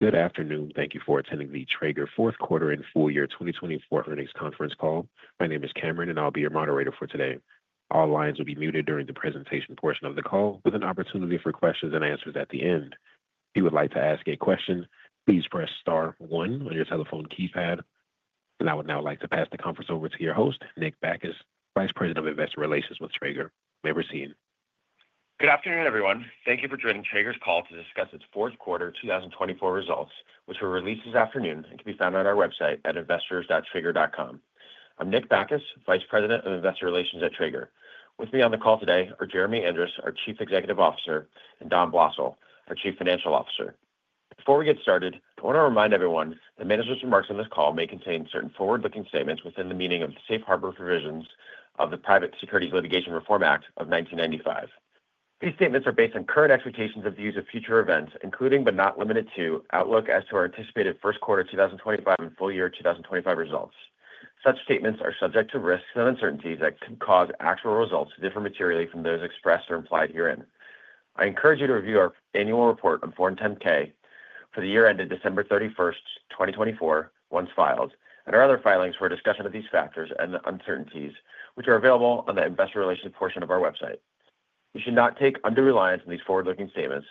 Good afternoon. Thank you for attending the Traeger Fourth Quarter and Full Year 2024 earnings conference call. My name is Cameron, and I'll be your moderator for today. All lines will be muted during the presentation portion of the call, with an opportunity for questions and answers at the end. If you would like to ask a question, please press star one on your telephone keypad. I would now like to pass the conference over to your host, Nick Bacchus, Vice President of Investor Relations with Traeger. May I proceed? Good afternoon, everyone. Thank you for joining Traeger's call to discuss its fourth quarter 2024 results, which were released this afternoon and can be found on our website at investors.traeger.com. I'm Nick Bacchus, Vice President of Investor Relations at Traeger. With me on the call today are Jeremy Andrus, our Chief Executive Officer, and Dom Blosil, our Chief Financial Officer. Before we get started, I want to remind everyone that management remarks on this call may contain certain forward-looking statements within the meaning of the Safe Harbor Provisions of the Private Securities Litigation Reform Act of 1995. These statements are based on current expectations of the use of future events, including but not limited to outlook as to our anticipated first quarter 2025 and full year 2025 results. Such statements are subject to risks and uncertainties that can cause actual results to differ materially from those expressed or implied herein. I encourage you to review our annual report on Form 10-K for the year ended December 31, 2024, once filed, and our other filings for discussion of these factors and the uncertainties, which are available on the Investor Relations portion of our website. You should not take under reliance on these forward-looking statements,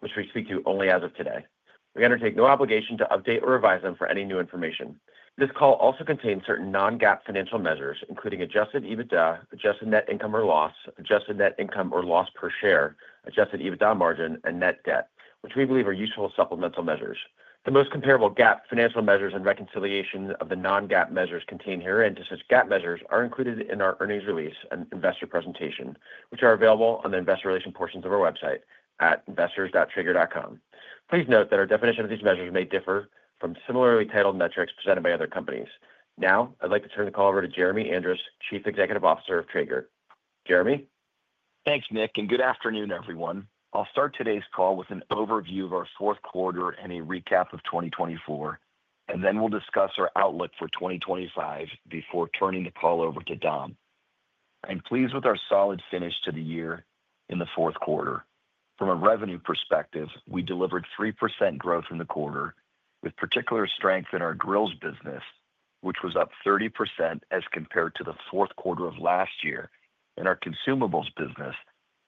which we speak to only as of today. We undertake no obligation to update or revise them for any new information. This call also contains certain non-GAAP financial measures, including adjusted EBITDA, adjusted net income or loss, adjusted net income or loss per share, adjusted EBITDA margin, and net debt, which we believe are useful supplemental measures. The most comparable GAAP financial measures and reconciliation of the non-GAAP measures contained herein to such GAAP measures are included in our earnings release and investor presentation, which are available on the Investor Relations portions of our website at investors.traeger.com. Please note that our definition of these measures may differ from similarly titled metrics presented by other companies. Now, I'd like to turn the call over to Jeremy Andrus, Chief Executive Officer of Traeger. Jeremy? Thanks, Nick, and good afternoon, everyone. I'll start today's call with an overview of our fourth quarter and a recap of 2024, and then we'll discuss our outlook for 2025 before turning the call over to Dom. I'm pleased with our solid finish to the year in the fourth quarter. From a revenue perspective, we delivered 3% growth in the quarter, with particular strength in our grills business, which was up 30% as compared to the fourth quarter of last year, and our consumables business,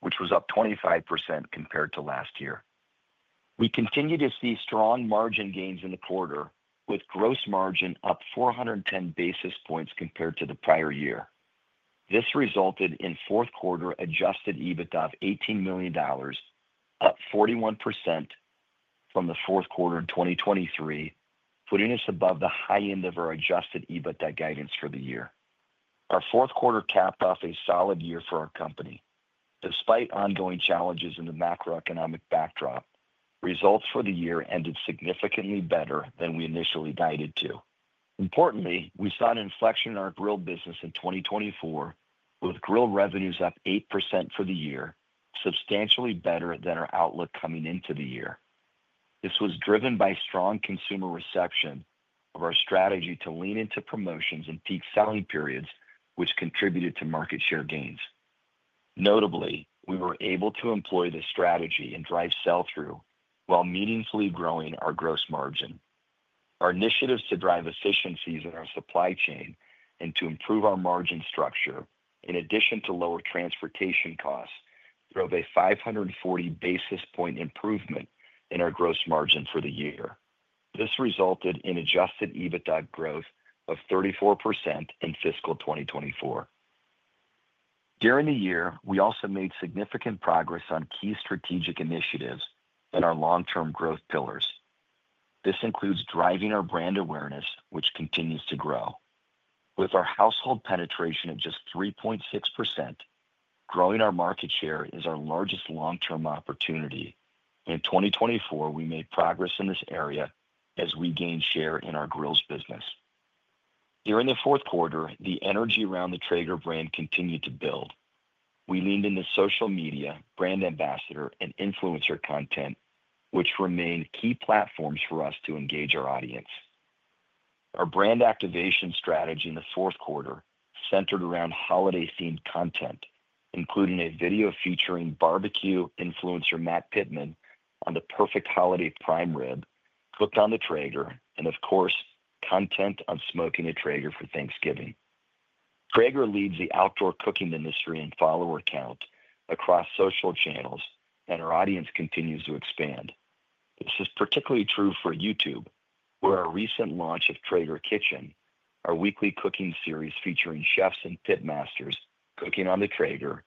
which was up 25% compared to last year. We continue to see strong margin gains in the quarter, with gross margin up 410 basis points compared to the prior year. This resulted in fourth quarter adjusted EBITDA of $18 million, up 41% from the fourth quarter in 2023, putting us above the high end of our adjusted EBITDA guidance for the year. Our fourth quarter capped off a solid year for our company. Despite ongoing challenges in the macroeconomic backdrop, results for the year ended significantly better than we initially guided to. Importantly, we saw an inflection in our grill business in 2024, with grill revenues up 8% for the year, substantially better than our outlook coming into the year. This was driven by strong consumer reception of our strategy to lean into promotions and peak selling periods, which contributed to market share gains. Notably, we were able to employ this strategy and drive sell-through while meaningfully growing our gross margin. Our initiatives to drive efficiencies in our supply chain and to improve our margin structure, in addition to lower transportation costs, drove a 540 basis point improvement in our gross margin for the year. This resulted in adjusted EBITDA growth of 34% in fiscal 2024. During the year, we also made significant progress on key strategic initiatives and our long-term growth pillars. This includes driving our brand awareness, which continues to grow. With our household penetration at just 3.6%, growing our market share is our largest long-term opportunity. In 2024, we made progress in this area as we gained share in our grills business. During the fourth quarter, the energy around the Traeger brand continued to build. We leaned into social media, brand ambassador, and influencer content, which remained key platforms for us to engage our audience. Our brand activation strategy in the fourth quarter centered around holiday-themed content, including a video featuring barbecue influencer Matt Pittman on the perfect holiday prime rib cooked on the Traeger, and of course, content on smoking a Traeger for Thanksgiving. Traeger leads the outdoor cooking industry in follower count across social channels, and our audience continues to expand. This is particularly true for YouTube, where our recent launch of Traeger Kitchen, our weekly cooking series featuring chefs and pit masters cooking on the Traeger,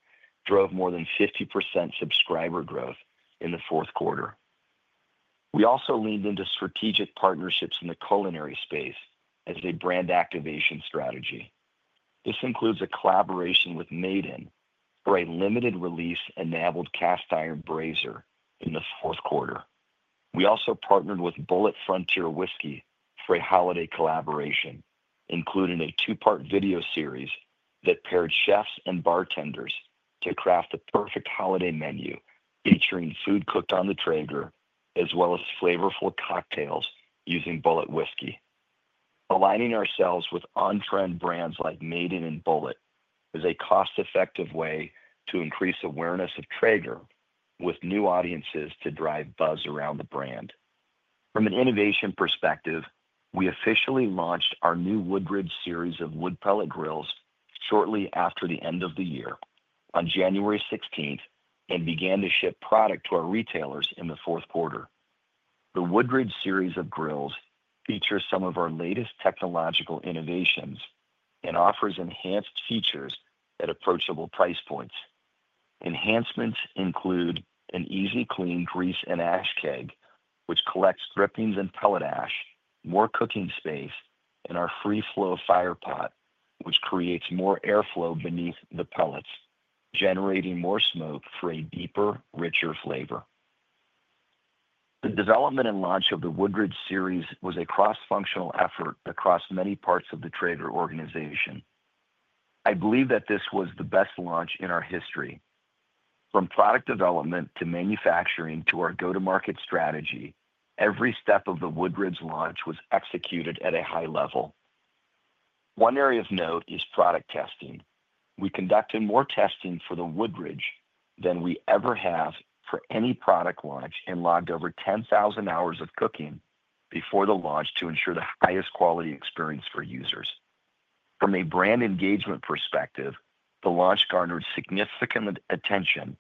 drove more than 50% subscriber growth in the fourth quarter. We also leaned into strategic partnerships in the culinary space as a brand activation strategy. This includes a collaboration with Made In for a limited-release enameled cast iron Brazier in the fourth quarter. We also partnered with Bulleit Frontier Whiskey for a holiday collaboration, including a two-part video series that paired chefs and bartenders to craft a perfect holiday menu featuring food cooked on the Traeger, as well as flavorful cocktails using Bulleit Whiskey. Aligning ourselves with on-trend brands like Made In and Bulleit is a cost-effective way to increase awareness of Traeger with new audiences to drive buzz around the brand. From an innovation perspective, we officially launched our new Woodridge series of wood pellet grills shortly after the end of the year on January 16th and began to ship product to our retailers in the fourth quarter. The Woodridge series of grills features some of our latest technological innovations and offers enhanced features at approachable price points. Enhancements include an easy clean grease and ash keg, which collects drippings and pellet ash, more cooking space, and our free-flow firepot, which creates more airflow beneath the pellets, generating more smoke for a deeper, richer flavor. The development and launch of the Woodridge series was a cross-functional effort across many parts of the Traeger organization. I believe that this was the best launch in our history. From product development to manufacturing to our go-to-market strategy, every step of the Woodridge launch was executed at a high level. One area of note is product testing. We conducted more testing for the Woodridge than we ever have for any product launch and logged over 10,000 hours of cooking before the launch to ensure the highest quality experience for users. From a brand engagement perspective, the launch garnered significant attention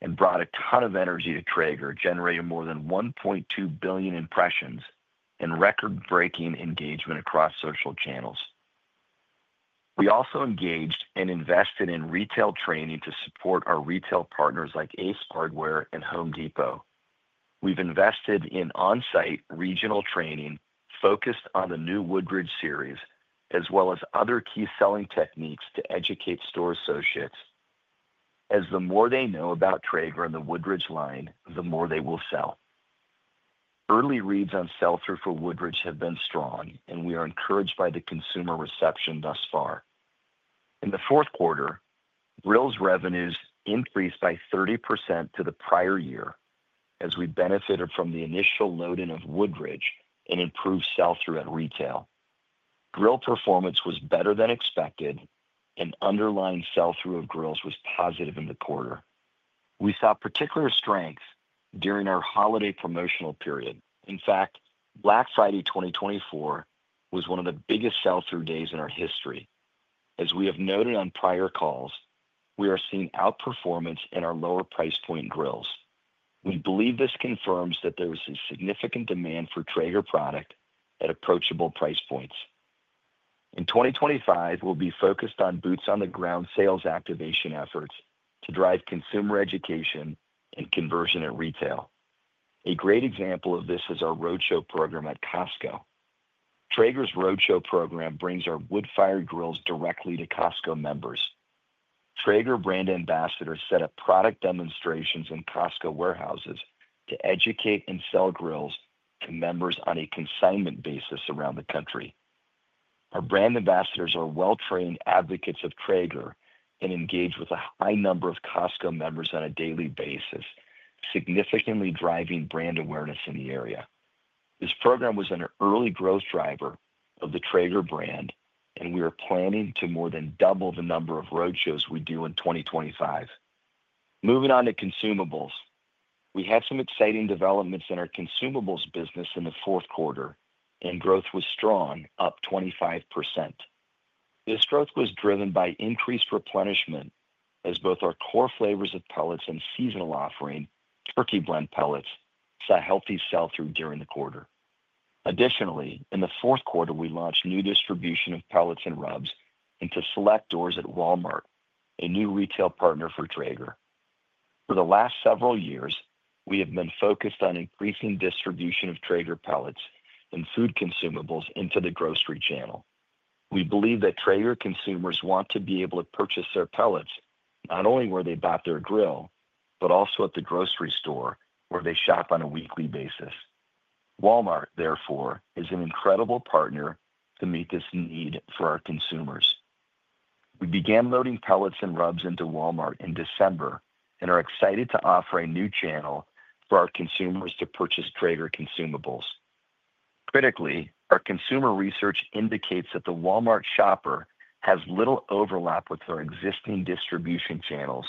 and brought a ton of energy to Traeger, generating more than 1.2 billion impressions and record-breaking engagement across social channels. We also engaged and invested in retail training to support our retail partners like Ace Hardware and Home Depot. We've invested in on-site regional training focused on the new Woodridge series, as well as other key selling techniques to educate store associates. As the more they know about Traeger and the Woodridge line, the more they will sell. Early reads on sell-through for Woodridge have been strong, and we are encouraged by the consumer reception thus far. In the fourth quarter, grills revenues increased by 30% to the prior year as we benefited from the initial loading of Woodridge and improved sell-through at retail. Grill performance was better than expected, and underlying sell-through of grills was positive in the quarter. We saw particular strengths during our holiday promotional period. In fact, Black Friday 2024 was one of the biggest sell-through days in our history. As we have noted on prior calls, we are seeing outperformance in our lower price point grills. We believe this confirms that there is a significant demand for Traeger product at approachable price points. In 2025, we'll be focused on boots-on-the-ground sales activation efforts to drive consumer education and conversion at retail. A great example of this is our roadshow program at Costco. Traeger's roadshow program brings our wood-fired grills directly to Costco members. Traeger brand ambassadors set up product demonstrations in Costco warehouses to educate and sell grills to members on a consignment basis around the country. Our brand ambassadors are well-trained advocates of Traeger and engage with a high number of Costco members on a daily basis, significantly driving brand awareness in the area. This program was an early growth driver of the Traeger brand, and we are planning to more than double the number of roadshows we do in 2025. Moving on to consumables, we had some exciting developments in our consumables business in the fourth quarter, and growth was strong, up 25%. This growth was driven by increased replenishment as both our core flavors of pellets and seasonal offering, turkey blend pellets, saw healthy sell-through during the quarter. Additionally, in the fourth quarter, we launched new distribution of pellets and rubs into select stores at Walmart, a new retail partner for Traeger. For the last several years, we have been focused on increasing distribution of Traeger pellets and food consumables into the grocery channel. We believe that Traeger consumers want to be able to purchase their pellets not only where they buy their grill, but also at the grocery store where they shop on a weekly basis. Walmart, therefore, is an incredible partner to meet this need for our consumers. We began loading pellets and rubs into Walmart in December and are excited to offer a new channel for our consumers to purchase Traeger consumables. Critically, our consumer research indicates that the Walmart shopper has little overlap with our existing distribution channels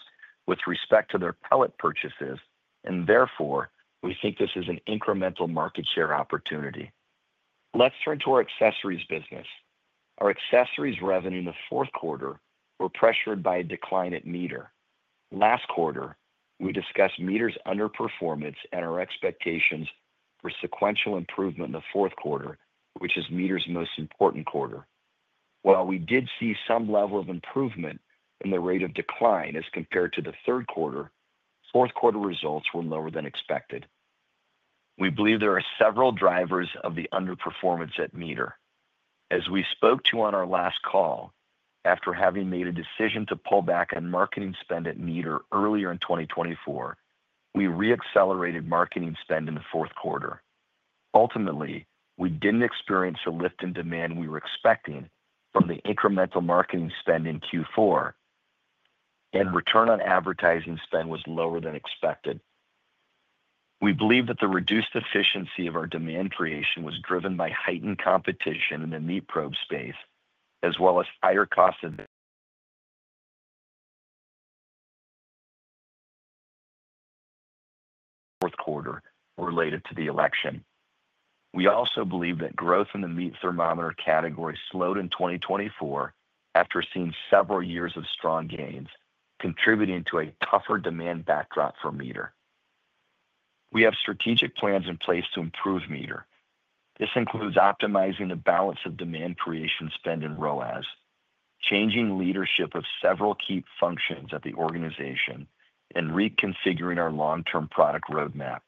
with respect to their pellet purchases, and therefore, we think this is an incremental market share opportunity. Let's turn to our accessories business. Our accessories revenue in the fourth quarter was pressured by a decline at MEATER. Last quarter, we discussed MEATER's underperformance and our expectations for sequential improvement in the fourth quarter, which is MEATER's most important quarter. While we did see some level of improvement in the rate of decline as compared to the third quarter, fourth quarter results were lower than expected. We believe there are several drivers of the underperformance at MEATER. As we spoke to on our last call, after having made a decision to pull back on marketing spend at MEATER earlier in 2024, we re-accelerated marketing spend in the fourth quarter. Ultimately, we did not experience the lift in demand we were expecting from the incremental marketing spend in Q4, and return on advertising spend was lower than expected. We believe that the reduced efficiency of our demand creation was driven by heightened competition in the meat probe space, as well as higher costs in the fourth quarter related to the election. We also believe that growth in the meat thermometer category slowed in 2024 after seeing several years of strong gains, contributing to a tougher demand backdrop for MEATER. We have strategic plans in place to improve MEATER. This includes optimizing the balance of demand creation spend in ROAS, changing leadership of several key functions at the organization, and reconfiguring our long-term product roadmap.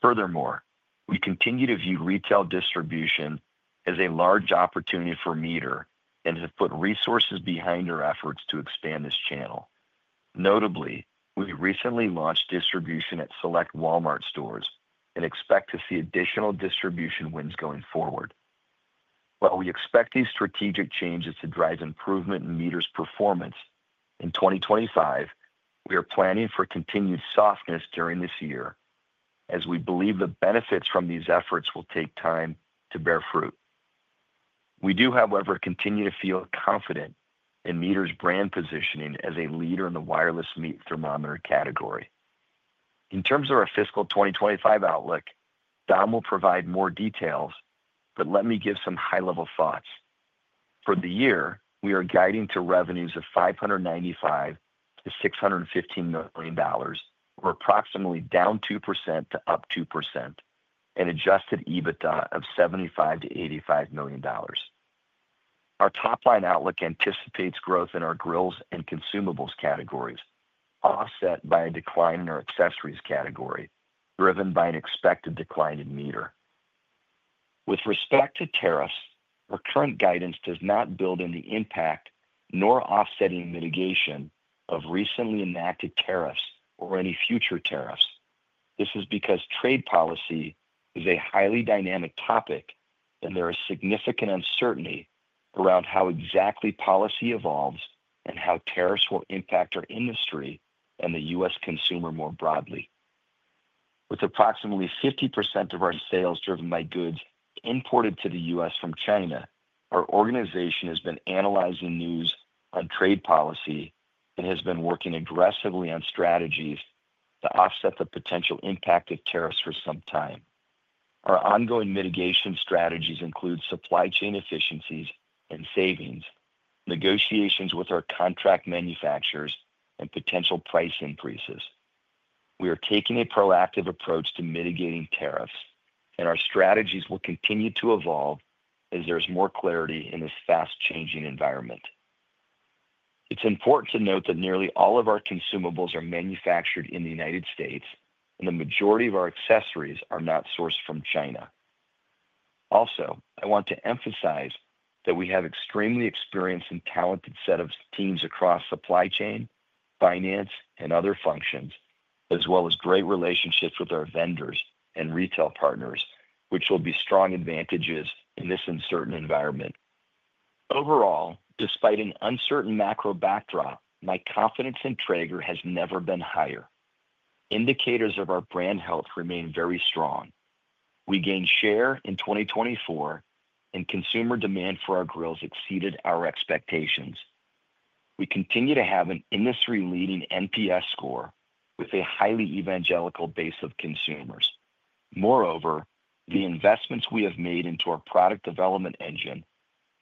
Furthermore, we continue to view retail distribution as a large opportunity for MEATER and have put resources behind our efforts to expand this channel. Notably, we recently launched distribution at select Walmart stores and expect to see additional distribution wins going forward. While we expect these strategic changes to drive improvement in MEATER's performance in 2025, we are planning for continued softness during this year as we believe the benefits from these efforts will take time to bear fruit. We do, however, continue to feel confident in MEATER's brand positioning as a leader in the wireless meat thermometer category. In terms of our fiscal 2025 outlook, Dom will provide more details, but let me give some high-level thoughts. For the year, we are guiding to revenues of $595 million-$615 million, or approximately down 2% to up 2%, and adjusted EBITDA of $75 million-$85 million. Our top-line outlook anticipates growth in our grills and consumables categories, offset by a decline in our accessories category, driven by an expected decline in MEATER. With respect to tariffs, our current guidance does not build in the impact nor offsetting mitigation of recently enacted tariffs or any future tariffs. This is because trade policy is a highly dynamic topic, and there is significant uncertainty around how exactly policy evolves and how tariffs will impact our industry and the U.S. consumer more broadly. With approximately 50% of our sales driven by goods imported to the U.S. from China, our organization has been analyzing news on trade policy and has been working aggressively on strategies to offset the potential impact of tariffs for some time. Our ongoing mitigation strategies include supply chain efficiencies and savings, negotiations with our contract manufacturers, and potential price increases. We are taking a proactive approach to mitigating tariffs, and our strategies will continue to evolve as there is more clarity in this fast-changing environment. It's important to note that nearly all of our consumables are manufactured in the United States, and the majority of our accessories are not sourced from China. Also, I want to emphasize that we have an extremely experienced and talented set of teams across supply chain, finance, and other functions, as well as great relationships with our vendors and retail partners, which will be strong advantages in this uncertain environment. Overall, despite an uncertain macro backdrop, my confidence in Traeger has never been higher. Indicators of our brand health remain very strong. We gained share in 2024, and consumer demand for our grills exceeded our expectations. We continue to have an industry-leading NPS score with a highly evangelical base of consumers. Moreover, the investments we have made into our product development engine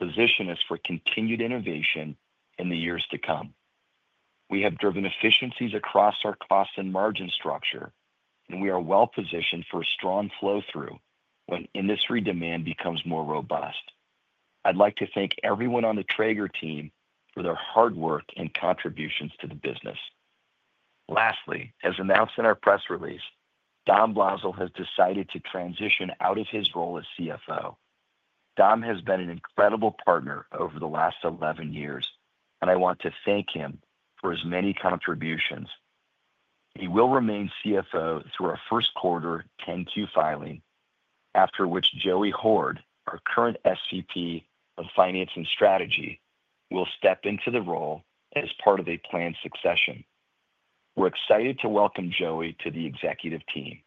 position us for continued innovation in the years to come. We have driven efficiencies across our cost and margin structure, and we are well-positioned for a strong flow-through when industry demand becomes more robust. I'd like to thank everyone on the Traeger team for their hard work and contributions to the business. Lastly, as announced in our press release, Dom Blosil has decided to transition out of his role as CFO. Dom has been an incredible partner over the last 11 years, and I want to thank him for his many contributions. He will remain CFO through our first quarter 10Q filing, after which Joey Hord, our current SVP of Finance and Strategy, will step into the role as part of a planned succession. We're excited to welcome Joey to the executive team.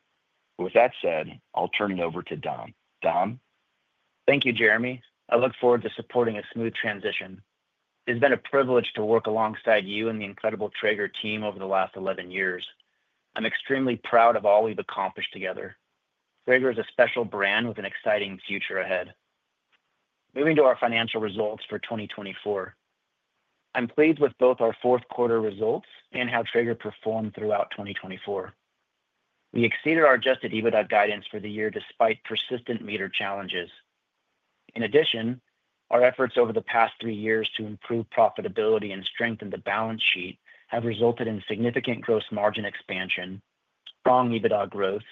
With that said, I'll turn it over to Dom. Dom? Thank you, Jeremy. I look forward to supporting a smooth transition. It's been a privilege to work alongside you and the incredible Traeger team over the last 11 years. I'm extremely proud of all we've accomplished together. Traeger is a special brand with an exciting future ahead. Moving to our financial results for 2024, I'm pleased with both our fourth quarter results and how Traeger performed throughout 2024. We exceeded our adjusted EBITDA guidance for the year despite persistent MEATER challenges. In addition, our efforts over the past three years to improve profitability and strengthen the balance sheet have resulted in significant gross margin expansion, strong EBITDA growth,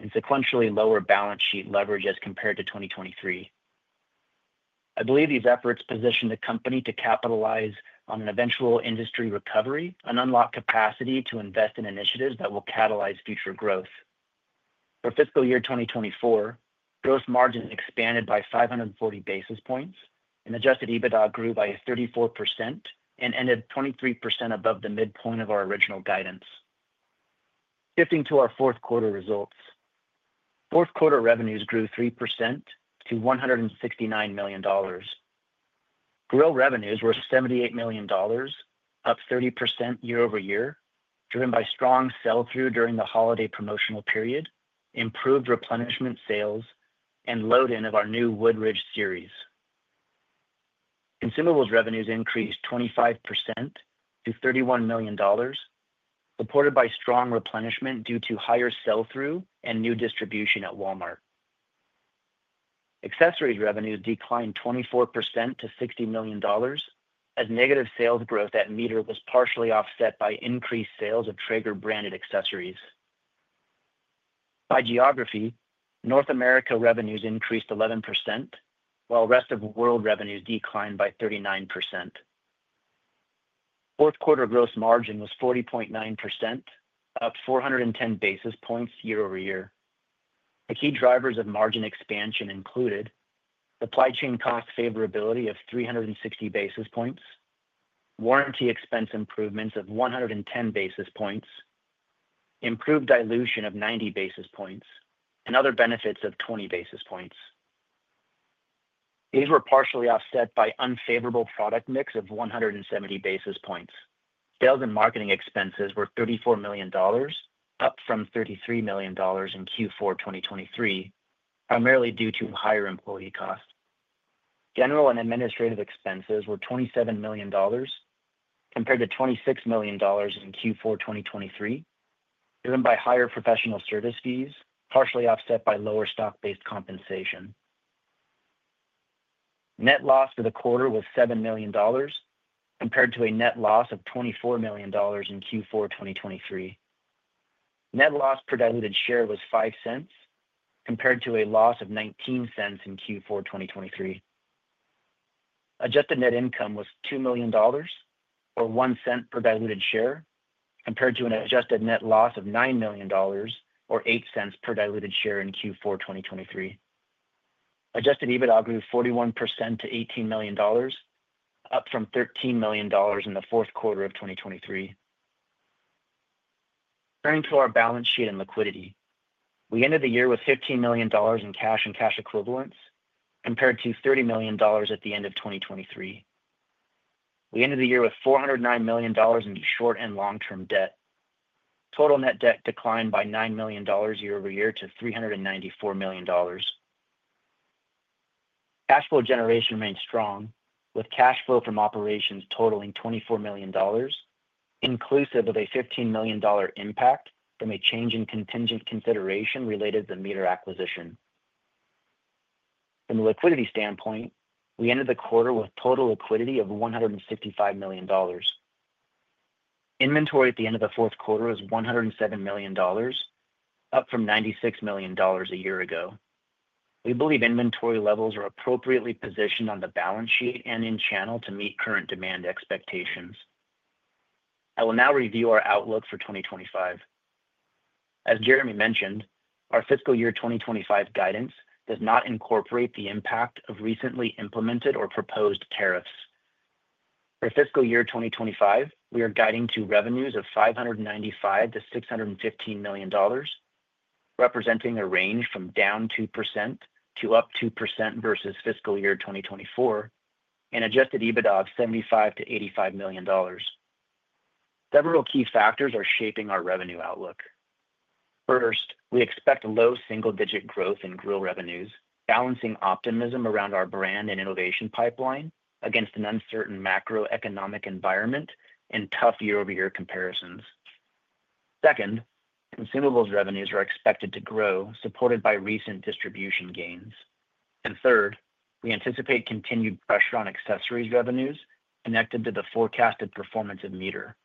and sequentially lower balance sheet leverage as compared to 2023. I believe these efforts position the company to capitalize on an eventual industry recovery and unlock capacity to invest in initiatives that will catalyze future growth. For fiscal year 2024, gross margins expanded by 540 basis points, and adjusted EBITDA grew by 34% and ended 23% above the midpoint of our original guidance. Shifting to our fourth quarter results, fourth quarter revenues grew 3% to $169 million. Grill revenues were $78 million, up 30% year over year, driven by strong sell-through during the holiday promotional period, improved replenishment sales, and loading of our new Woodridge series. Consumables revenues increased 25% to $31 million, supported by strong replenishment due to higher sell-through and new distribution at Walmart. Accessories revenues declined 24% to $60 million, as negative sales growth at MEATER was partially offset by increased sales of Traeger branded accessories. By geography, North America revenues increased 11%, while rest of world revenues declined by 39%. Fourth quarter gross margin was 40.9%, up 410 basis points year over year. The key drivers of margin expansion included supply chain cost favorability of 360 basis points, warranty expense improvements of 110 basis points, improved dilution of 90 basis points, and other benefits of 20 basis points. These were partially offset by unfavorable product mix of 170 basis points. Sales and marketing expenses were $34 million, up from $33 million in Q4 2023, primarily due to higher employee costs. General and administrative expenses were $27 million, compared to $26 million in Q4 2023, driven by higher professional service fees, partially offset by lower stock-based compensation. Net loss for the quarter was $7 million, compared to a net loss of $24 million in Q4 2023. Net loss per diluted share was $0.05, compared to a loss of $0.19 in Q4 2023. Adjusted net income was $2 million, or $0.01 per diluted share, compared to an adjusted net loss of $9 million, or $0.08 per diluted share in Q4 2023. Adjusted EBITDA grew 41% to $18 million, up from $13 million in the fourth quarter of 2023. Turning to our balance sheet and liquidity, we ended the year with $15 million in cash and cash equivalents, compared to $30 million at the end of 2023. We ended the year with $409 million in short and long-term debt. Total net debt declined by $9 million year over year to $394 million. Cash flow generation remained strong, with cash flow from operations totaling $24 million, inclusive of a $15 million impact from a change in contingent consideration related to the MEATER acquisition. From the liquidity standpoint, we ended the quarter with total liquidity of $165 million. Inventory at the end of the fourth quarter was $107 million, up from $96 million a year ago. We believe inventory levels are appropriately positioned on the balance sheet and in channel to meet current demand expectations. I will now review our outlook for 2025. As Jeremy mentioned, our fiscal year 2025 guidance does not incorporate the impact of recently implemented or proposed tariffs. For fiscal year 2025, we are guiding to revenues of $595-$615 million, representing a range from down 2% to up 2% versus fiscal year 2024, and adjusted EBITDA of $75-$85 million. Several key factors are shaping our revenue outlook. First, we expect low single-digit growth in grill revenues, balancing optimism around our brand and innovation pipeline against an uncertain macroeconomic environment and tough year-over-year comparisons. Second, consumables revenues are expected to grow, supported by recent distribution gains. Third, we anticipate continued pressure on accessories revenues connected to the forecasted performance of MEATER.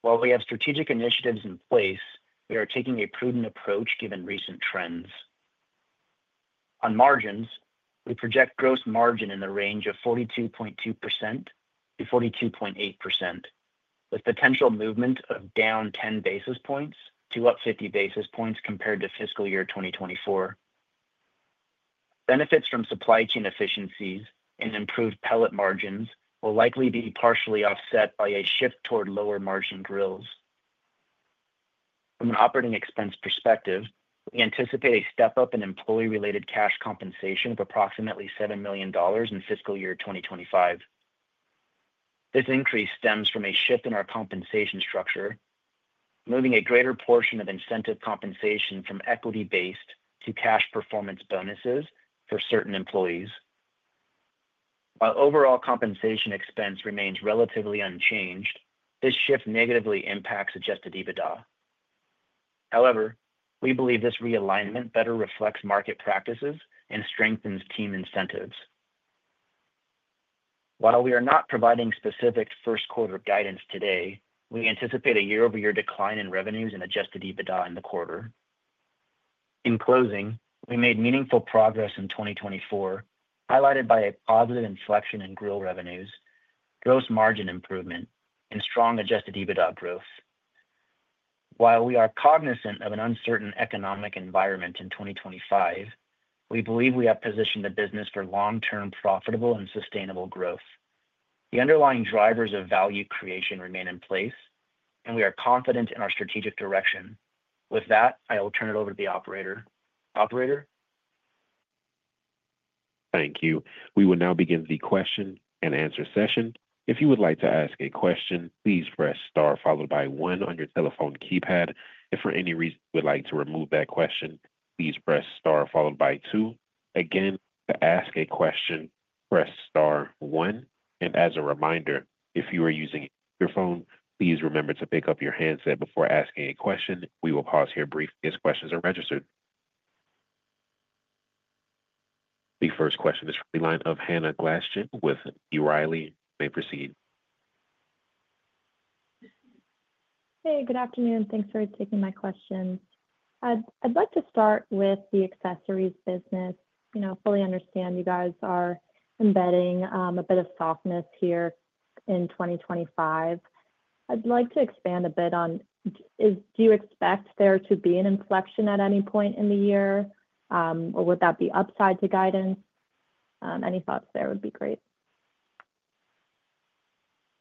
While we have strategic initiatives in place, we are taking a prudent approach given recent trends. On margins, we project gross margin in the range of 42.2%-42.8%, with potential movement of down 10 basis points to up 50 basis points compared to fiscal year 2024. Benefits from supply chain efficiencies and improved pellet margins will likely be partially offset by a shift toward lower margin grills. From an operating expense perspective, we anticipate a step-up in employee-related cash compensation of approximately $7 million in fiscal year 2025. This increase stems from a shift in our compensation structure, moving a greater portion of incentive compensation from equity-based to cash performance bonuses for certain employees. While overall compensation expense remains relatively unchanged, this shift negatively impacts adjusted EBITDA. However, we believe this realignment better reflects market practices and strengthens team incentives. While we are not providing specific first-quarter guidance today, we anticipate a year-over-year decline in revenues and adjusted EBITDA in the quarter. In closing, we made meaningful progress in 2024, highlighted by a positive inflection in grill revenues, gross margin improvement, and strong adjusted EBITDA growth. While we are cognizant of an uncertain economic environment in 2025, we believe we have positioned the business for long-term profitable and sustainable growth. The underlying drivers of value creation remain in place, and we are confident in our strategic direction. With that, I will turn it over to the operator. Thank you. We will now begin the question and answer session. If you would like to ask a question, please press Star followed by 1 on your telephone keypad. If for any reason you would like to remove that question, please press Star followed by 2. Again, to ask a question, press Star 1. As a reminder, if you are using your phone, please remember to pick up your handset before asking a question. We will pause here briefly as questions are registered. The first question is from the line of Anna Glaessgen with B. Riley. You may proceed. Hey, good afternoon. Thanks for taking my question. I'd like to start with the accessories business. You know, I fully understand you guys are embedding a bit of softness here in 2025. I'd like to expand a bit on, do you expect there to be an inflection at any point in the year, or would that be upside to guidance? Any thoughts there would be great.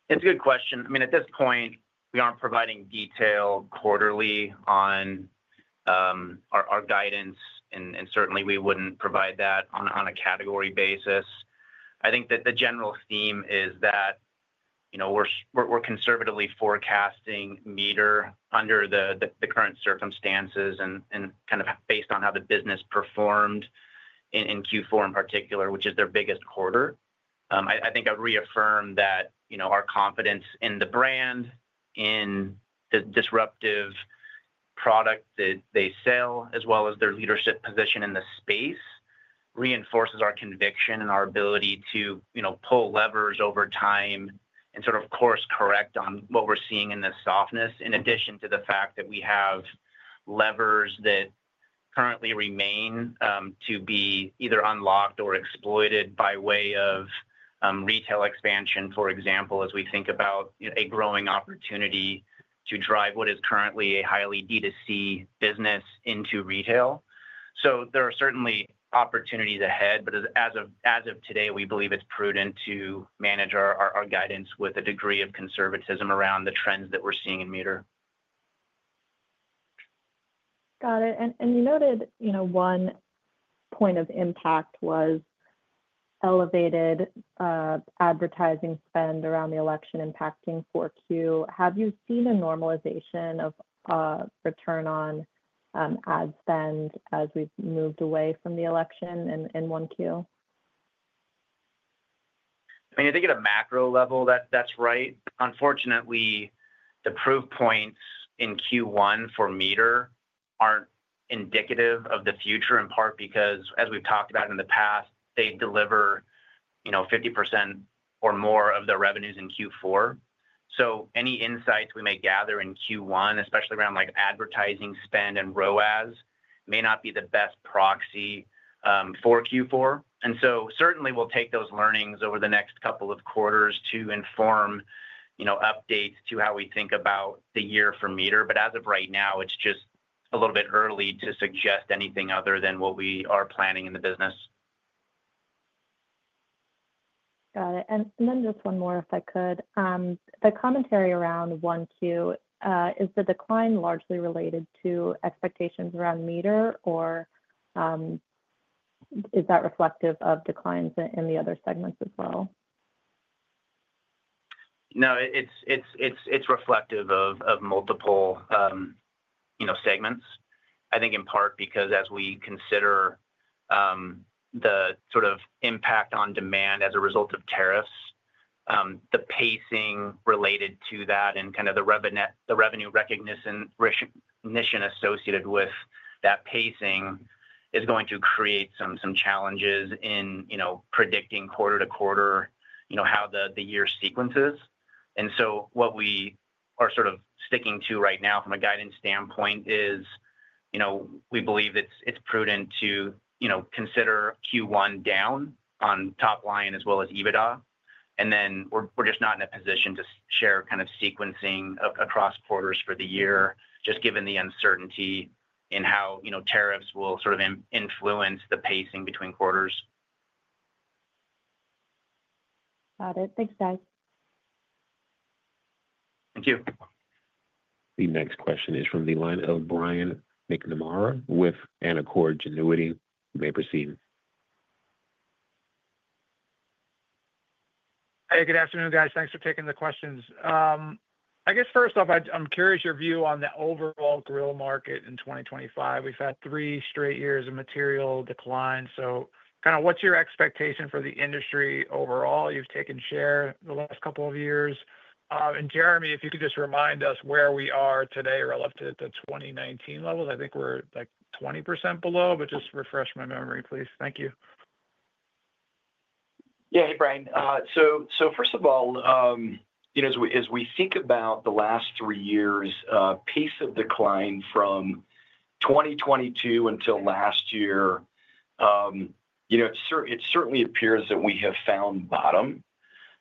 It's a good question. I mean, at this point, we aren't providing detail quarterly on our guidance, and certainly we wouldn't provide that on a category basis. I think that the general theme is that, you know, we're conservatively forecasting MEATER under the current circumstances and kind of based on how the business performed in Q4 in particular, which is their biggest quarter. I think I reaffirm that, you know, our confidence in the brand, in the disruptive product that they sell, as well as their leadership position in the space, reinforces our conviction and our ability to, you know, pull levers over time and sort of course correct on what we're seeing in this softness, in addition to the fact that we have levers that currently remain to be either unlocked or exploited by way of retail expansion, for example, as we think about a growing opportunity to drive what is currently a highly D2C business into retail. There are certainly opportunities ahead, but as of today, we believe it's prudent to manage our guidance with a degree of conservatism around the trends that we're seeing in MEATER. Got it. You noted, you know, one point of impact was elevated advertising spend around the election impacting 4Q. Have you seen a normalization of return on ad spend as we've moved away from the election in 1Q? I mean, I think at a macro level, that's right. Unfortunately, the proof points in Q1 for MEATER aren't indicative of the future, in part because, as we've talked about in the past, they deliver, you know, 50% or more of their revenues in Q4. So any insights we may gather in Q1, especially around like advertising spend and ROAS, may not be the best proxy for Q4. Certainly we'll take those learnings over the next couple of quarters to inform, you know, updates to how we think about the year for MEATER. But as of right now, it's just a little bit early to suggest anything other than what we are planning in the business. Got it. And then just one more, if I could. The commentary around 1Q, is the decline largely related to expectations around MEATER, or is that reflective of declines in the other segments as well? No, it's reflective of multiple, you know, segments. I think in part because as we consider the sort of impact on demand as a result of tariffs, the pacing related to that and kind of the revenue recognition associated with that pacing is going to create some challenges in, you know, predicting quarter to quarter, you know, how the year sequences. What we are sort of sticking to right now from a guidance standpoint is, you know, we believe it's prudent to, you know, consider Q1 down on top line as well as EBITDA. We're just not in a position to share kind of sequencing across quarters for the year, just given the uncertainty in how, you know, tariffs will sort of influence the pacing between quarters. Got it. Thanks, Dom. Thank you. The next question is from the line of Brian McNamara with Canaccord Genuity. You may proceed. Hey, good afternoon, guys. Thanks for taking the questions. I guess first off, I'm curious your view on the overall grill market in 2025. We've had three straight years of material decline. What is your expectation for the industry overall? You've taken share the last couple of years. And Jeremy, if you could just remind us where we are today, relative to 2019 levels. I think we're like 20% below, but just refresh my memory, please. Thank you. Yeah, hey, Brian. First of all, you know, as we think about the last three years, pace of decline from 2022 until last year, you know, it certainly appears that we have found bottom.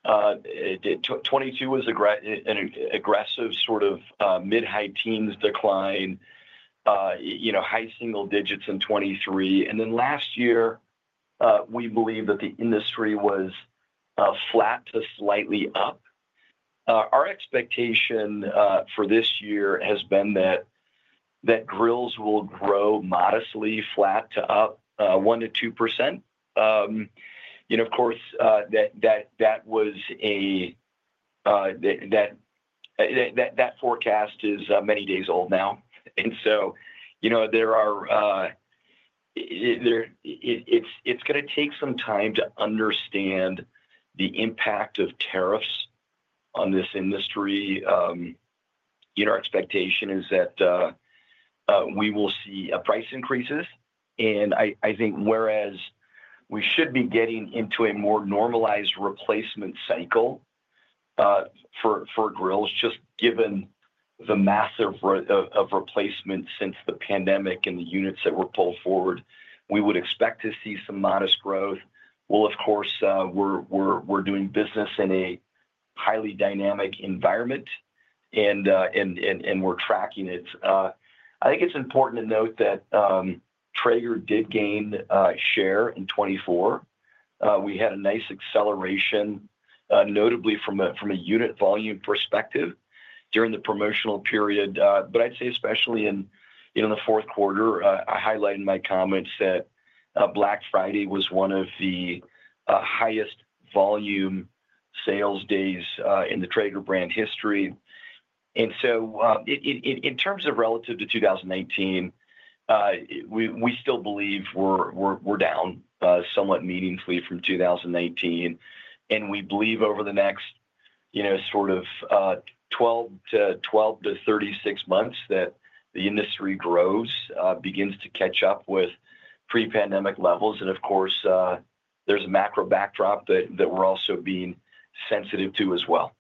2022 was an aggressive sort of mid-high teens decline, you know, high single digits in 2023. And then last year, we believe that the industry was flat to slightly up. Our expectation for this year has been that grills will grow modestly flat to up 1-2%. You know, of course, that forecast is many days old now. And so, you know, there are, it's going to take some time to understand the impact of tariffs on this industry. You know, our expectation is that we will see price increases. I think whereas we should be getting into a more normalized replacement cycle for grills, just given the massive replacement since the pandemic and the units that were pulled forward, we would expect to see some modest growth. Of course, we're doing business in a highly dynamic environment, and we're tracking it. I think it's important to note that Traeger did gain share in 2024. We had a nice acceleration, notably from a unit volume perspective during the promotional period. I'd say especially in, you know, the fourth quarter, I highlighted in my comments that Black Friday was one of the highest volume sales days in the Traeger brand history. In terms of relative to 2019, we still believe we're down somewhat meaningfully from 2019. We believe over the next, you know, sort of 12 to 36 months that the industry grows, begins to catch up with pre-pandemic levels. Of course, there's a macro backdrop that we're also being sensitive to as well.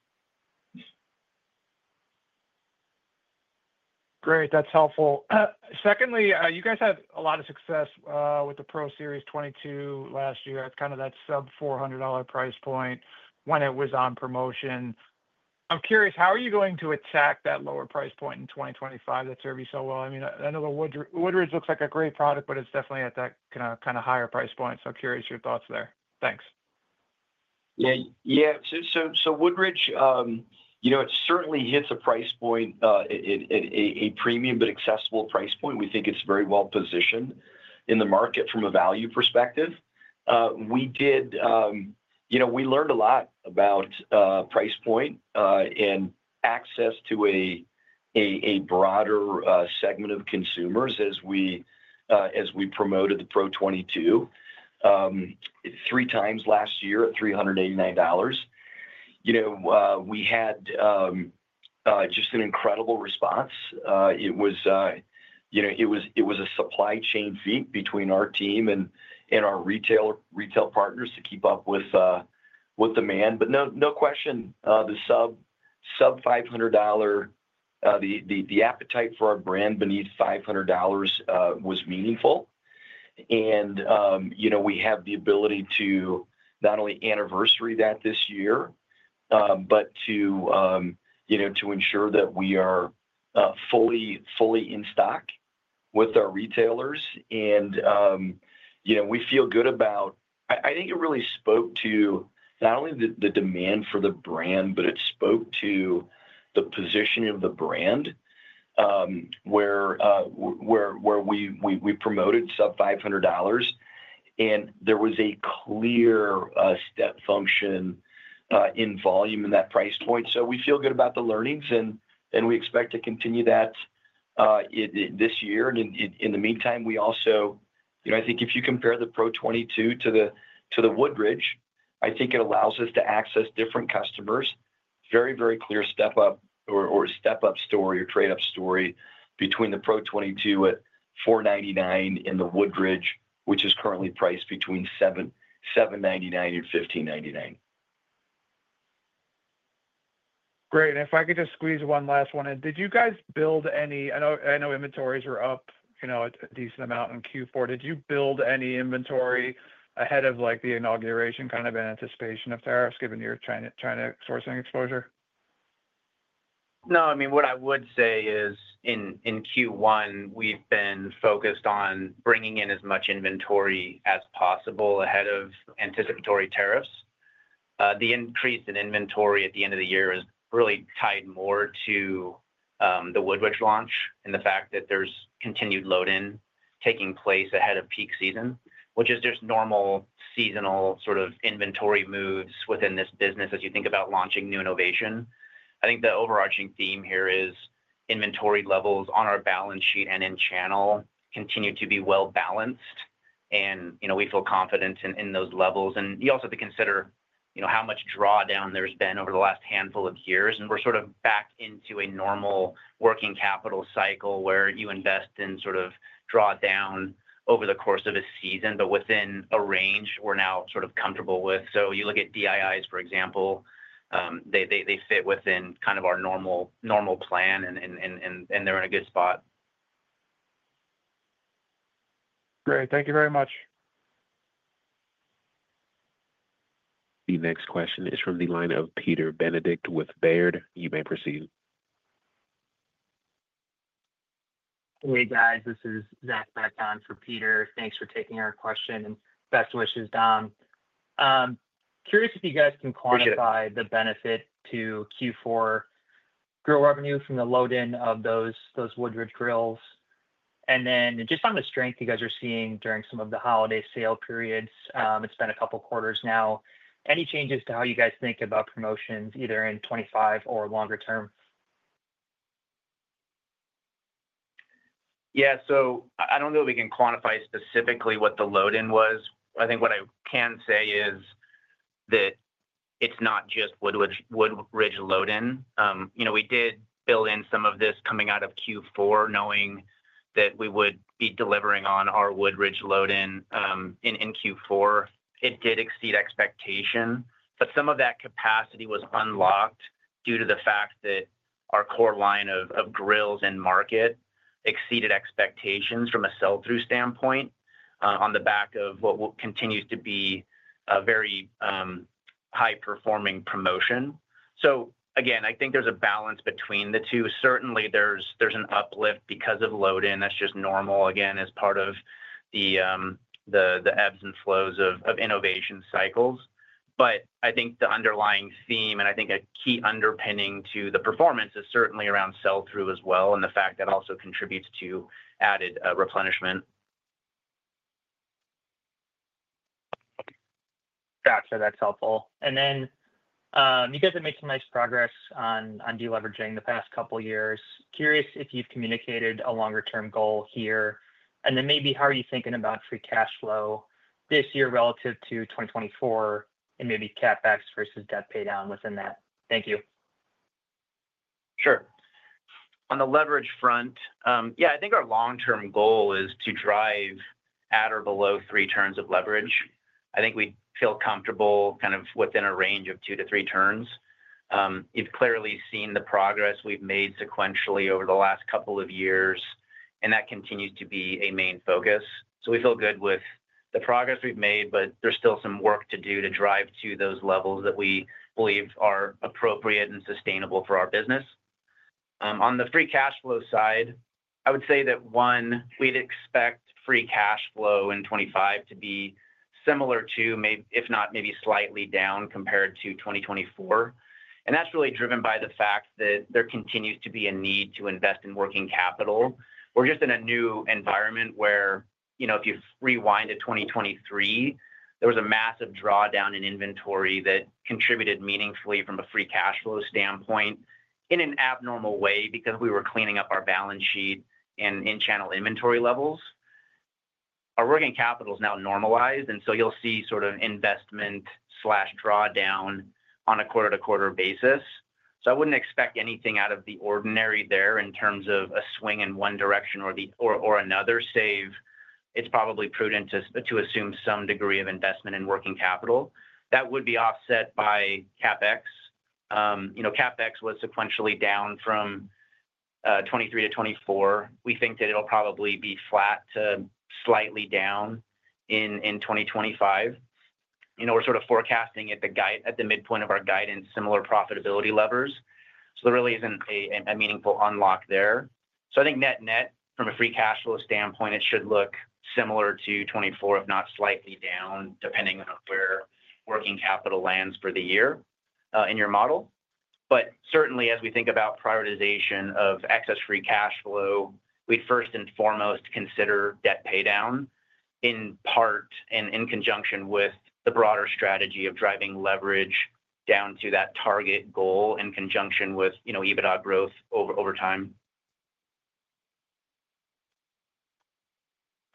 Great. That's helpful. Secondly, you guys had a lot of success with the Pro Series 22 last year. It's kind of that sub $400 price point when it was on promotion. I'm curious, how are you going to attack that lower price point in 2025 that served you so well? I mean, I know the Woodridge looks like a great product, but it's definitely at that kind of higher price point. I'm curious your thoughts there. Thanks. Yeah, yeah. Woodridge, you know, it certainly hits a price point, a premium but accessible price point. We think it's very well positioned in the market from a value perspective. We did, you know, we learned a lot about price point and access to a broader segment of consumers as we promoted the Pro Series 22 three times last year at $389. You know, we had just an incredible response. It was, you know, it was a supply chain feat between our team and our retail partners to keep up with demand. No question, the sub $500, the appetite for our brand beneath $500 was meaningful. You know, we have the ability to not only anniversary that this year, but to, you know, to ensure that we are fully in stock with our retailers. You know, we feel good about, I think it really spoke to not only the demand for the brand, but it spoke to the positioning of the brand where we promoted sub $500. There was a clear step function in volume in that price point. We feel good about the learnings, and we expect to continue that this year. In the meantime, you know, I think if you compare the Pro Series 22 to the Woodridge, I think it allows us to access different customers. Very, very clear step up or step up story or trade up story between the Pro Series 22 at $499 and the Woodridge, which is currently priced between $799 and $1,599. Great. If I could just squeeze one last one in, did you guys build any, I know inventories were up, you know, a decent amount in Q4. Did you build any inventory ahead of like the inauguration kind of in anticipation of tariffs given your China sourcing exposure? No, I mean, what I would say is in Q1, we've been focused on bringing in as much inventory as possible ahead of anticipatory tariffs. The increase in inventory at the end of the year is really tied more to the Woodridge launch and the fact that there's continued loading taking place ahead of peak season, which is just normal seasonal sort of inventory moves within this business as you think about launching new innovation. I think the overarching theme here is inventory levels on our balance sheet and in channel continue to be well balanced. You know, we feel confident in those levels. You also have to consider, you know, how much drawdown there's been over the last handful of years. We're sort of back into a normal working capital cycle where you invest in sort of drawdown over the course of a season, but within a range we're now sort of comfortable with. You look at DIIs, for example, they fit within kind of our normal plan, and they're in a good spot. Great. Thank you very much. The next question is from the line of Peter Benedict with Baird. You may proceed. Hey, guys, this is Zach Bacchus for Peter. Thanks for taking our question and best wishes, Dom. Curious if you guys can quantify the benefit to Q4 grill revenue from the loading of those Woodridge grills. And then just on the strength you guys are seeing during some of the holiday sale periods, it's been a couple quarters now. Any changes to how you guys think about promotions either in 2025 or longer term? Yeah, so I don't know if we can quantify specifically what the loading was. I think what I can say is that it's not just Woodridge loading. You know, we did build in some of this coming out of Q4, knowing that we would be delivering on our Woodridge loading in Q4. It did exceed expectation, but some of that capacity was unlocked due to the fact that our core line of grills and market exceeded expectations from a sell-through standpoint on the back of what continues to be a very high-performing promotion. I think there's a balance between the two. Certainly, there's an uplift because of loading. That's just normal, again, as part of the ebbs and flows of innovation cycles. I think the underlying theme, and I think a key underpinning to the performance is certainly around sell-through as well, and the fact that also contributes to added replenishment. Gotcha. That's helpful. You guys have made some nice progress on deleveraging the past couple of years. Curious if you've communicated a longer-term goal here. Maybe how are you thinking about free cash flow this year relative to 2024 and maybe CapEx versus debt paydown within that. Thank you. Sure. On the leverage front, yeah, I think our long-term goal is to drive at or below three turns of leverage. I think we feel comfortable kind of within a range of two to three turns. You've clearly seen the progress we've made sequentially over the last couple of years, and that continues to be a main focus. We feel good with the progress we've made, but there's still some work to do to drive to those levels that we believe are appropriate and sustainable for our business. On the free cash flow side, I would say that, one, we'd expect free cash flow in 2025 to be similar to, if not maybe slightly down compared to 2024. That's really driven by the fact that there continues to be a need to invest in working capital. We're just in a new environment where, you know, if you rewind to 2023, there was a massive drawdown in inventory that contributed meaningfully from a free cash flow standpoint in an abnormal way because we were cleaning up our balance sheet and in-channel inventory levels. Our working capital is now normalized, and so you'll see sort of investment/drawdown on a quarter-to-quarter basis. I wouldn't expect anything out of the ordinary there in terms of a swing in one direction or another, save it's probably prudent to assume some degree of investment in working capital. That would be offset by CapEx. You know, CapEx was sequentially down from 2023 to 2024. We think that it'll probably be flat to slightly down in 2025. You know, we're sort of forecasting at the midpoint of our guidance, similar profitability levers. So there really isn't a meaningful unlock there. I think net-net, from a free cash flow standpoint, it should look similar to 2024, if not slightly down, depending on where working capital lands for the year in your model. Certainly, as we think about prioritization of excess free cash flow, we'd first and foremost consider debt paydown in part and in conjunction with the broader strategy of driving leverage down to that target goal in conjunction with, you know, EBITDA growth over time.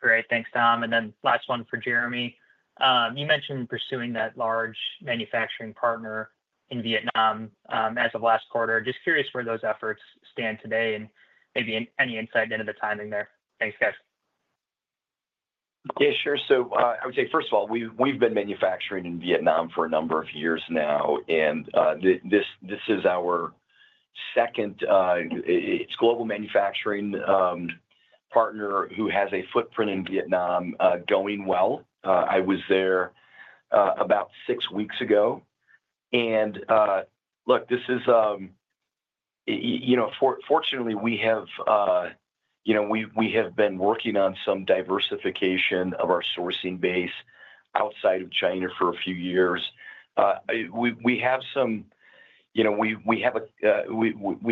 Great. Thanks, Dom. Last one for Jeremy. You mentioned pursuing that large manufacturing partner in Vietnam as of last quarter. Just curious where those efforts stand today and maybe any insight into the timing there. Thanks, guys. Yeah, sure. I would say, first of all, we've been manufacturing in Vietnam for a number of years now. This is our second global manufacturing partner who has a footprint in Vietnam going well. I was there about six weeks ago. Look, this is, you know, fortunately, we have, you know, we have been working on some diversification of our sourcing base outside of China for a few years. We have some, you know, we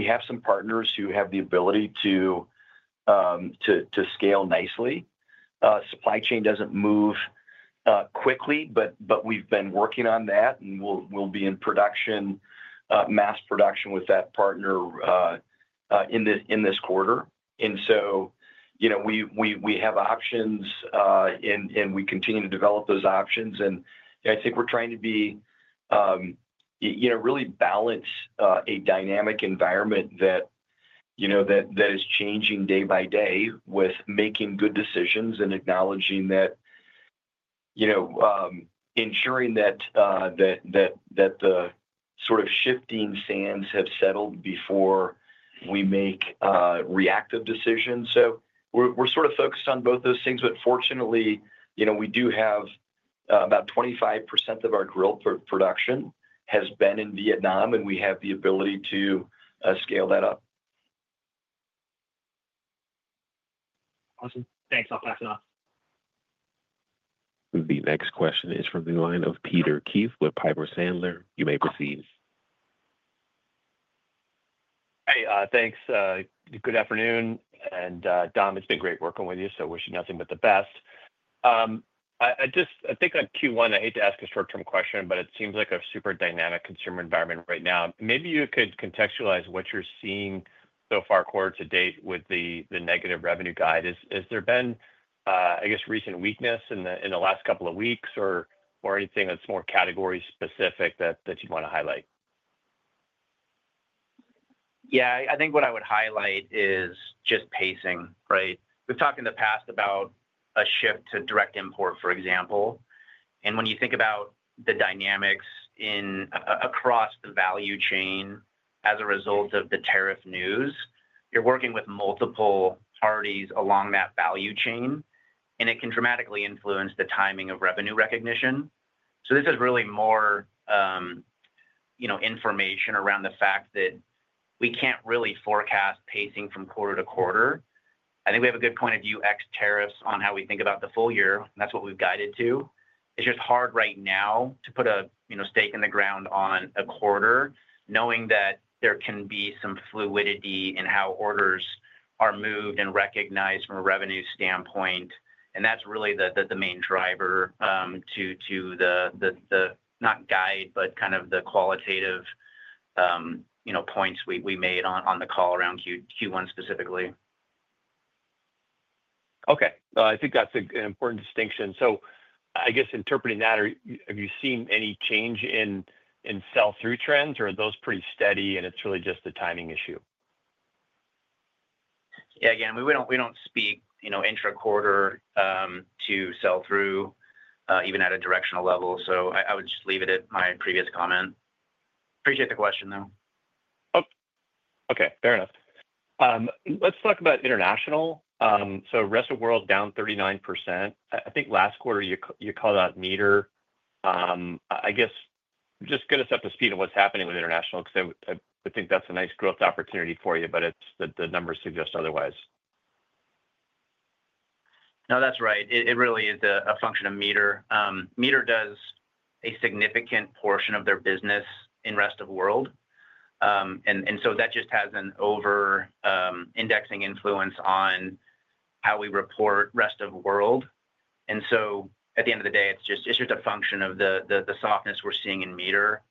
have some partners who have the ability to scale nicely. Supply chain does not move quickly, but we have been working on that, and we will be in production, mass production with that partner in this quarter. You know, we have options, and we continue to develop those options. I think we are trying to be, you know, really balance a dynamic environment that, you know, is changing day by day with making good decisions and acknowledging that, you know, ensuring that the sort of shifting sands have settled before we make reactive decisions. We're sort of focused on both those things, but fortunately, you know, we do have about 25% of our grill production has been in Vietnam, and we have the ability to scale that up. Awesome. Thanks. I'll pass it off. The next question is from the line of Peter Keith with Piper Sandler. You may proceed. Hey, thanks. Good afternoon. And, Dom, it's been great working with you, so wish you nothing but the best. I just, I think on Q1, I hate to ask a short-term question, but it seems like a super dynamic consumer environment right now. Maybe you could contextualize what you're seeing so far quarter to date with the negative revenue guide. Has there been, I guess, recent weakness in the last couple of weeks or anything that's more category-specific that you'd want to highlight? Yeah, I think what I would highlight is just pacing, right? We've talked in the past about a shift to direct import, for example. And when you think about the dynamics across the value chain as a result of the tariff news, you're working with multiple parties along that value chain, and it can dramatically influence the timing of revenue recognition. This is really more, you know, information around the fact that we can't really forecast pacing from quarter to quarter. I think we have a good point of view ex tariffs on how we think about the full year. That's what we've guided to. It's just hard right now to put a, you know, stake in the ground on a quarter, knowing that there can be some fluidity in how orders are moved and recognized from a revenue standpoint. That is really the main driver to the, not guide, but kind of the qualitative, you know, points we made on the call around Q1 specifically. Okay. I think that is an important distinction. I guess interpreting that, have you seen any change in sell-through trends, or are those pretty steady, and it is really just the timing issue? Yeah, again, we do not speak, you know, intra-quarter to sell-through, even at a directional level. I would just leave it at my previous comment. Appreciate the question, though. Okay. Fair enough. Let us talk about international. Rest of world down 39%. I think last quarter you called out MEATER. I guess just get us up to speed on what is happening with international, because I think that is a nice growth opportunity for you, but the numbers suggest otherwise. No, that is right. It really is a function of MEATER. MEATER does a significant portion of their business in rest of world. That just has an over-indexing influence on how we report rest of world. At the end of the day, it's just a function of the softness we're seeing in MEATER,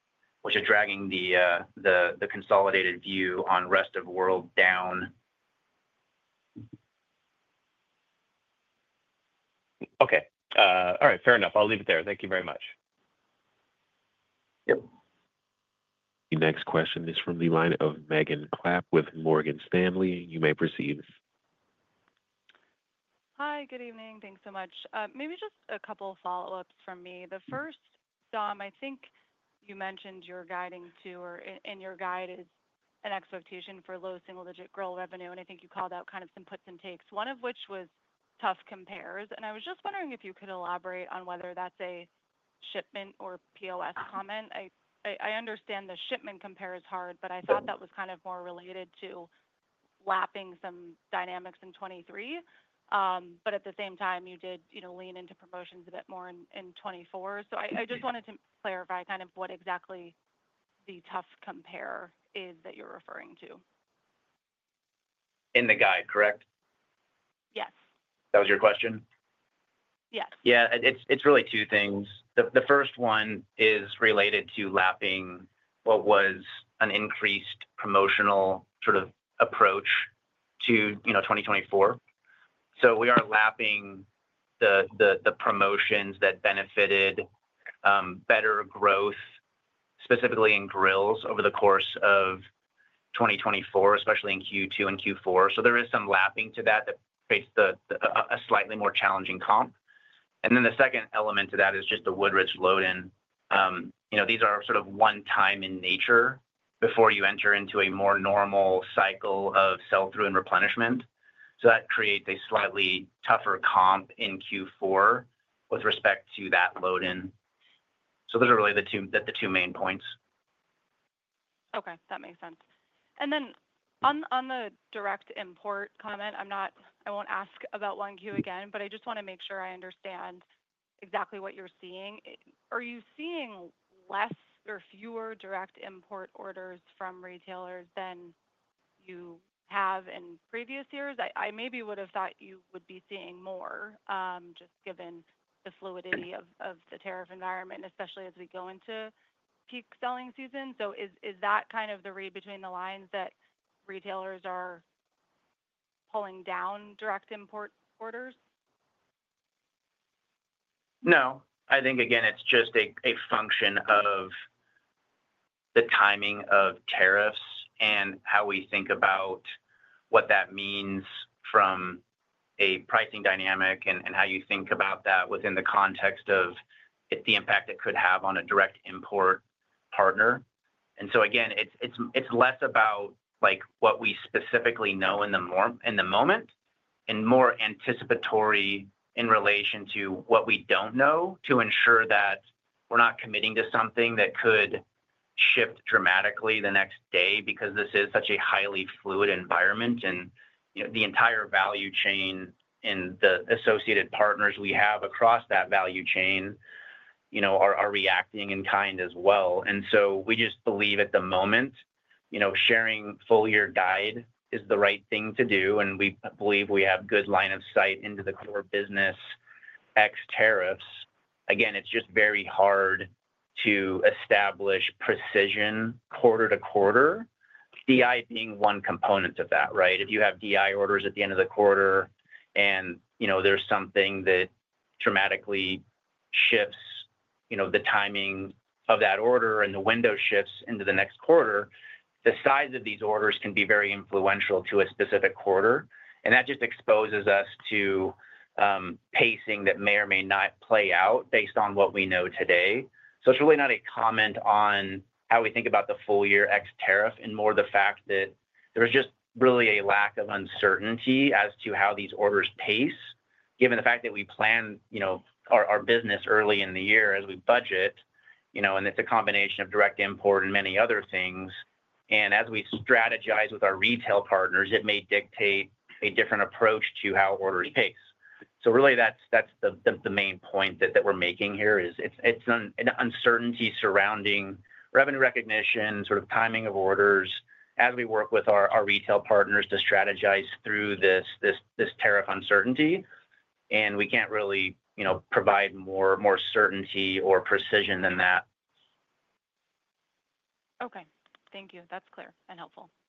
which is dragging the consolidated view on rest of world down. Okay. All right. Fair enough. I'll leave it there. Thank you very much. Yep. The next question is from the line of Megan Clapp with Morgan Stanley. You may proceed. Hi, good evening. Thanks so much. Maybe just a couple of follow-ups from me. The first, Dom, I think you mentioned your guiding to, or in your guide is an expectation for low single-digit grill revenue, and I think you called out kind of some puts and takes, one of which was tough compares. I was just wondering if you could elaborate on whether that's a shipment or POS comment. I understand the shipment compare is hard, but I thought that was kind of more related to lapping some dynamics in 2023. At the same time, you did, you know, lean into promotions a bit more in 2024. I just wanted to clarify kind of what exactly the tough compare is that you're referring to. In the guide, correct? Yes. That was your question? Yes. It's really two things. The first one is related to lapping what was an increased promotional sort of approach to, you know, 2024. We are lapping the promotions that benefited better growth, specifically in grills over the course of 2024, especially in Q2 and Q4. There is some lapping to that that creates a slightly more challenging comp. The second element to that is just the Woodridge loading. You know, these are sort of one-time in nature before you enter into a more normal cycle of sell-through and replenishment. That creates a slightly tougher comp in Q4 with respect to that loading. Those are really the two main points. Okay. That makes sense. On the direct import comment, I will not ask about 1Q again, but I just want to make sure I understand exactly what you are seeing. Are you seeing less or fewer direct import orders from retailers than you have in previous years? I maybe would have thought you would be seeing more, just given the fluidity of the tariff environment, especially as we go into peak selling season. Is that kind of the read between the lines that retailers are pulling down direct import orders? No. I think, again, it's just a function of the timing of tariffs and how we think about what that means from a pricing dynamic and how you think about that within the context of the impact it could have on a direct import partner. Again, it's less about what we specifically know in the moment and more anticipatory in relation to what we don't know to ensure that we're not committing to something that could shift dramatically the next day because this is such a highly fluid environment. The entire value chain and the associated partners we have across that value chain, you know, are reacting in kind as well. We just believe at the moment, you know, sharing full year guide is the right thing to do. We believe we have good line of sight into the core business ex tariffs. Again, it's just very hard to establish precision quarter to quarter, DI being one component of that, right? If you have DI orders at the end of the quarter and, you know, there's something that dramatically shifts, you know, the timing of that order and the window shifts into the next quarter, the size of these orders can be very influential to a specific quarter. That just exposes us to pacing that may or may not play out based on what we know today. It's really not a comment on how we think about the full year ex tariff and more the fact that there's just really a lack of uncertainty as to how these orders pace, given the fact that we plan, you know, our business early in the year as we budget, you know, and it's a combination of direct import and many other things. As we strategize with our retail partners, it may dictate a different approach to how orders pace. Really, the main point that we are making here is it is an uncertainty surrounding revenue recognition, sort of timing of orders as we work with our retail partners to strategize through this tariff uncertainty. We cannot really, you know, provide more certainty or precision than that. Okay. Thank you. That is clear and helpful. Thank you.